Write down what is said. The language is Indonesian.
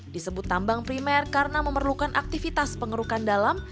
disebut tambang primer karena memerlukan aktivitas pengerukan dalam